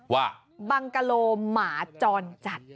ว่าบังกะโลหมาจรจัด